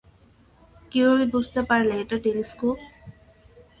কীভাবে বুঝতে পারলে এটা টেলিস্কোপ?